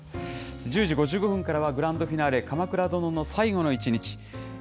１０時５５分からは、グランドフィナーレ鎌倉殿の最後の一日。